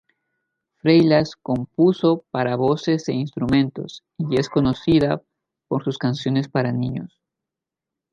Freixas compuso para voces e instrumentos y es conocida por sus canciones para niños.